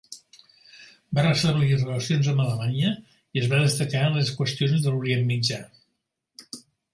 Va restablir relacions amb Alemanya i es va destacar en les qüestions de l'Orient Mitjà.